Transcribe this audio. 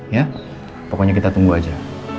ya pokoknya kita tunggu aja